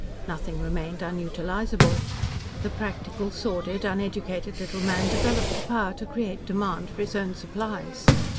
Nothing remained unutilisable. The practical, sordid, uneducated little man developed the power to create demand for his own supplies.